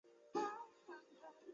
累官昭文馆兼侍读学士。